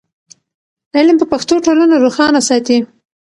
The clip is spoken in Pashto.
علم په پښتو ټولنه روښانه ساتي.